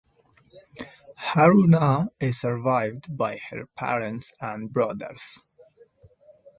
Haruna is survived by her parents and brothers.